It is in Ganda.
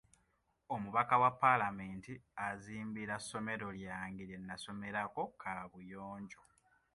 Omubaka wa palamenti azimbira ssomero lyange lye nnasomerako kaabuyonjo.